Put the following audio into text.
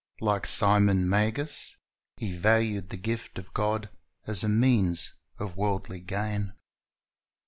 Like Simon Magus, he valued the gift of God as a means of worldly gain.